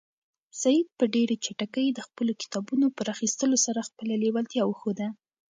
سعید په ډېرې چټکۍ د خپلو کتابونو په راخیستلو سره خپله لېوالتیا وښوده.